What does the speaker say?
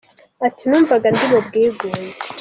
Ati “ Numvaga ndi mu bwigunge.